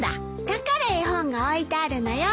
だから絵本が置いてあるのよ。